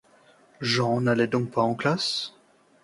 Jean n’allait donc pas en classe.